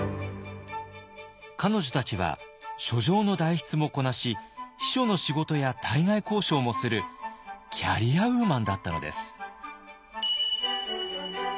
彼女たちは書状の代筆もこなし秘書の仕事や対外交渉もするキャリアウーマンだったのです。